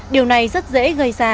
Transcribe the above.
điều này rất dễ gây ra